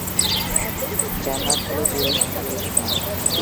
জান্নাত হলো চির-শান্তির স্থান।